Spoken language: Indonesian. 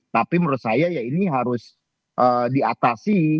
tapi menurut saya ya ini harus diatasi